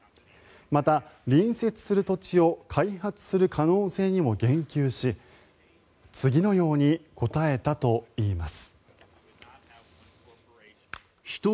また、隣接する土地を開発する可能性にも言及し次のように答えたといいます。